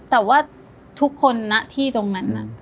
แต่ว่าทุกคนนะที่ตรงนั้น